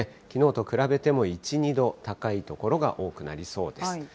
きのうと比べても１、２度高い所が多くなりそうです。